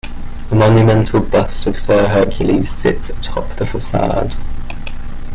A monumental bust of Sir Hercules sits atop the facade.